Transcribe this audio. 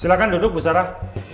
silahkan duduk bu sarah